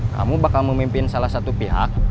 kamu bakal memimpin salah satu pihak